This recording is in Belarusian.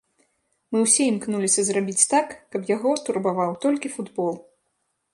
Мы ўсе імкнуліся зрабіць так, каб яго турбаваў толькі футбол.